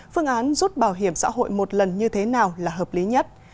phương án rút bảo hiểm xã hội một lần như thế nào là hợp lý nhất